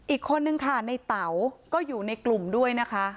อีกคนนึงค่ะในเต๋าก็อยู่ในกลุ่มด้วยนะคะ